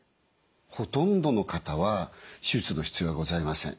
ほとんどの方は手術の必要はございません。